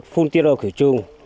khuôn tiêu đồ khử trung